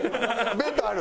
弁当ある？